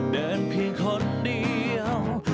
เดินเพียงคนเดียว